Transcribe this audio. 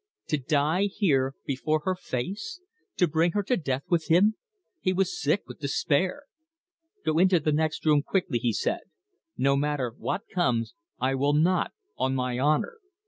To die here before her face? To bring her to death with him? He was sick with despair. "Go into the next room quickly," he said. "No matter what comes, I will not on my honour!"